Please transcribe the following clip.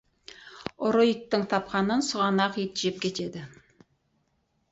ұры иттің тапқанын, сұғанақ ит жеп кетеді.